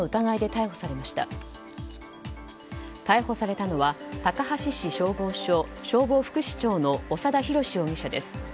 逮捕されたのは高梁市消防署、消防副士長の長田裕至容疑者です。